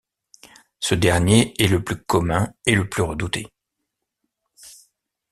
Ce dernier est le plus commun et le plus redouté.